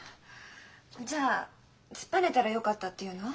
じゃあ突っぱねたらよかったって言うの？